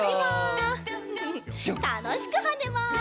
たのしくはねます。